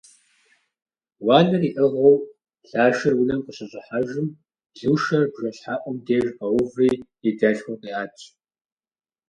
Уанэр иӏыгъыу Лашэр унэм къыщыщӏыхьэжым, Лушэр бжэщхьэӏум деж къэуври, и дэлъхур къиӏэтщ.